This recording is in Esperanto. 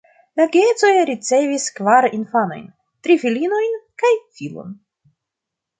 La geedzoj ricevis kvar infanojn: tri filinojn kaj filon.